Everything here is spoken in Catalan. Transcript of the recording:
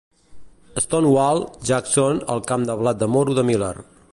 "Stonewall", Jackson al camp de blat de moro de Miller.